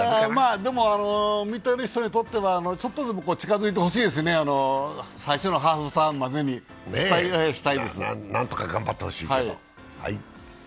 見ている人にとってはちょっとでも近づいてほしいですね、最初のハーフターンまでに、期待したいです。